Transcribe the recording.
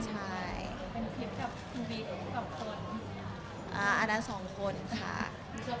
เจอใครเลยไหมครับปีใหม่